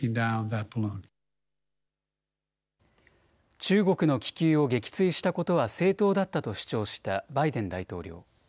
中国の気球を撃墜したことは正当だったと主張したバイデン大統領。